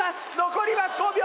残りは５秒！